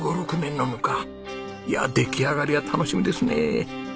いやあ出来上がりが楽しみですねえ。